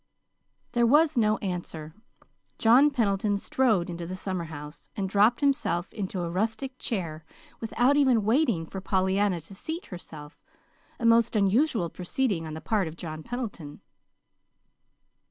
There was no answer. John Pendleton strode into the summerhouse and dropped himself into a rustic chair without even waiting for Pollyanna to seat herself a most unusual proceeding on the part of John Pendleton.